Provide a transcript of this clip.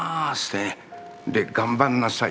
で「頑張んなさいよ」